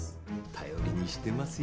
頼りにしてますよ？